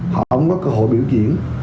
họ không có cơ hội biểu diễn